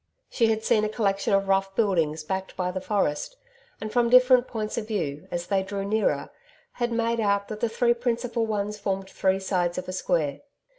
She had seen a collection of rough buildings backed by the forest, and from different points of view, as they drew nearer, had made out that the three principal ones formed three sides of a square.